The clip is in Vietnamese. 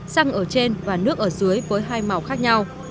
xăng ở trên và nước ở dưới với hai màu khác nhau